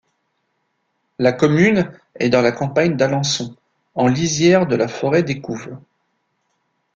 La commune est dans la campagne d'Alençon, en lisière de la forêt d'Écouves.